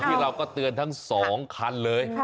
ที่เราก็เตือนทั้งสองคันเลย